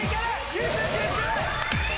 集中集中！